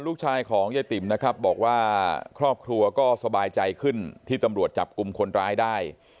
ลูกชายของยายติ๋มนะครับบอกว่าครอบครัวก็สบายใจขึ้นที่ตำรวจจับกลุ่มคนร้ายได้